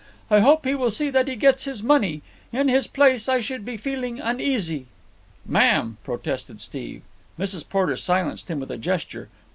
I hope he will see that he gets his money. In his place I should be feeling uneasy." "Ma'am!" protested Steve. Mrs. Porter silenced him with a gesture.